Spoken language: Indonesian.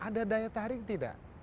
ada daya tarik tidak